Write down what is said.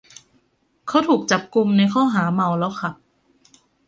เขาถูกจับกุมในข้อหาเมาแล้วขับ